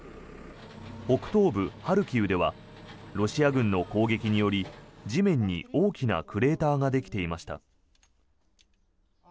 北東部ハルキウではロシア軍の攻撃により地面に大きなクレーターができていました。